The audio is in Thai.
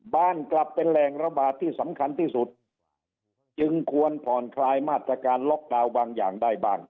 กลับเป็นแหล่งระบาดที่สำคัญที่สุดจึงควรผ่อนคลายมาตรการล็อกดาวน์บางอย่างได้บ้าง